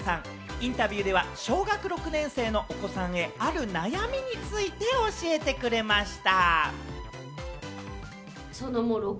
インタビューでは小学６年生のお子さんへ、ある悩みについて教えてくれました。